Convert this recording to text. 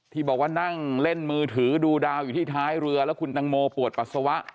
ที่บอกว่านั่งเล่นมือถือดูดาวอยู่ที่ท้ายเรือแล้วคุณตังโมปวดปัสสาวะ